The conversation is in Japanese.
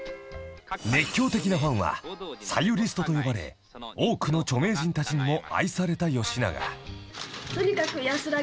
［熱狂的なファンはサユリストと呼ばれ多くの著名人たちにも愛された吉永］